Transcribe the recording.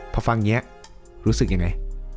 พอฟังเงี้ยรู้สึกยังไง